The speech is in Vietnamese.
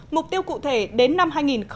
mục tiêu cụ thể đến năm hai nghìn hai mươi một